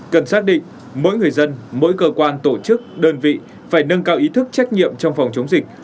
cần xác định mỗi người dân mỗi cơ quan tổ chức đơn vị phải nâng cao ý thức trách nhiệm trong phòng chống dịch